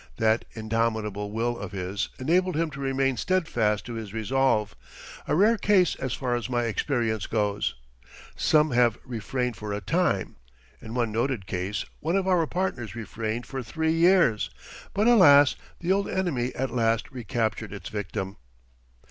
That indomitable will of his enabled him to remain steadfast to his resolve, a rare case as far as my experience goes. Some have refrained for a time. In one noted case one of our partners refrained for three years, but alas, the old enemy at last recaptured its victim.